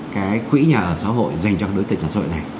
cái quỹ nhà ở xã hội dành cho đối tượng nhà xã hội này